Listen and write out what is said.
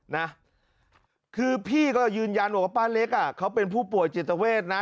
นะคือพี่ก็ยืนยันบอกว่าป้าเล็กอ่ะเขาเป็นผู้ป่วยจิตเวทนะ